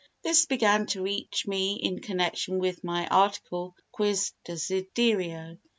This began to reach me in connection with my article "Quis Desiderio